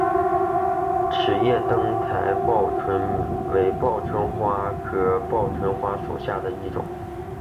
齿叶灯台报春为报春花科报春花属下的一个种。